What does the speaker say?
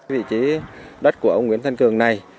vị trí đất của ông nguyễn thanh cường này